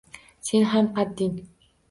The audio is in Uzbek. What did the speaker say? Sen ham qadding